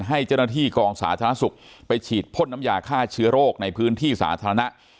ให้เจ้าหน้าที่กองสาธารณสุขไปฉีดพ่นน้ำยาฆ่าเชื้อโรคในพื้นที่สาธารณะ